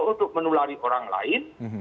untuk menulari orang lain